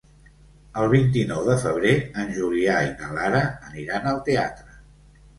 El vint-i-nou de febrer en Julià i na Lara aniran al teatre.